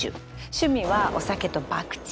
趣味はお酒とばくち。